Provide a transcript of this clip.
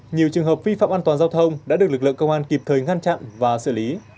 nhiều trường hợp vi phạm an toàn giao thông đã được lực lượng công an kịp thời ngăn chặn và xử lý